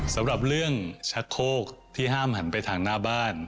สำหรับเรื่องชักโคกที่ห้ามหันไปทางหน้าบ้าน